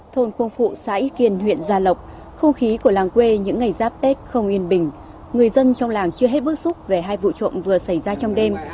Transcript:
thôn khuôn phụ xã yên huyện gia lộc không khí của làng quê những ngày giáp tết không yên bình người dân trong làng chưa hết bức xúc về hai vụ trộm vừa xảy ra trong đêm